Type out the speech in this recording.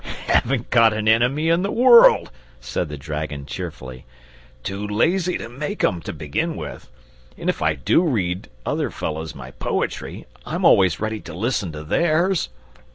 "Haven't got an enemy in the world," said the dragon, cheerfully. "Too lazy to make 'em, to begin with. And if I DO read other fellows my poetry, I'm always ready to listen to theirs!"